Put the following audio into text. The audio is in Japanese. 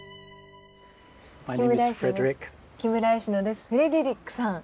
フレデリックさん。